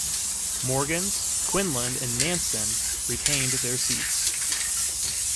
Morgans, Quinlan and Nanson retained their seats.